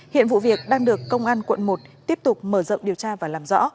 hiện vụ việc đang được công an quận một tiếp tục mở rộng điều tra và làm rõ